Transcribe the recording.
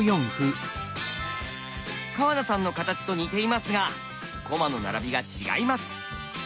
川名さんの形と似ていますが駒の並びが違います。